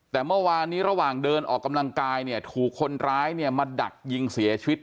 แต่เมื่อวานนี้ระหว่างเดินออกกำลังกายเนี่ยถูกคนร้ายเนี่ยมาดักยิงเสียชีวิต